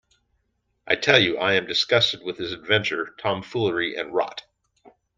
I tell you I am disgusted with this adventure tomfoolery and rot.